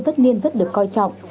tất niên rất được coi trọng